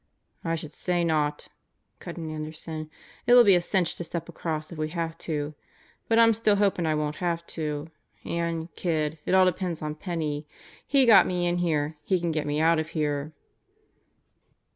"I should say not," cut in Anderson. "It'll be a cinch to step across if we have to. But I'm still hopin' I won't have to. And, kid, it all depends on Penney. He got me in here. He can get me out of here."